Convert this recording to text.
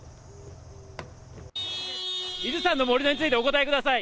伊豆山の盛り土についてお答えください。